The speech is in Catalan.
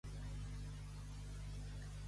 Qui té poc quefer, prompte acaba.